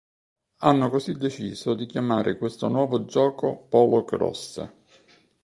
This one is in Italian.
Hanno così deciso di chiamare questo nuovo gioco Polocrosse.